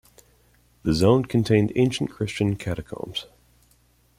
The zone contained ancient Christian catacombs.